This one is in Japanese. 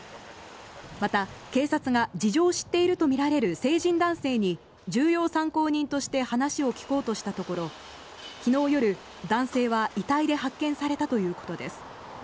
また、警察が事情を知っているとみられる成人男性に重要参考人として話を聞こうとしたところ昨日夜男性は遺体で発見されたということです。